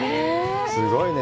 すごいね。